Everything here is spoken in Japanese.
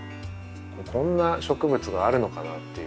こんな植物があるのかなっていう。